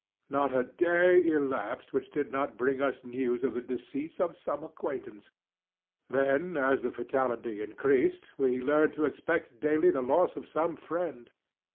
Not a day elapsed which did not bring us news of the decease of some acquaintance. Then as the fatality increased, we learned to expect daily the loss of some friend.